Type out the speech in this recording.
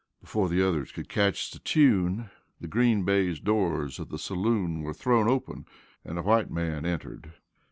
Before the other could catch the tune, the green baize doors of the saloon were thrown open and a white man entered.